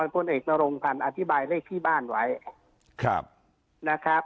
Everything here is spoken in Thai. เพราะเลขภั่นเนี่ยนะครับ